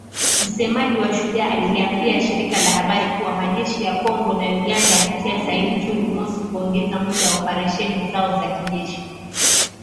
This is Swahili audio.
Msemaji wa Shujaa, aliliambia shirika la habari kuwa majeshi ya Kongo na Uganda yalitia saini Juni mosi kuongeza muda wa operesheni zao za kijeshi.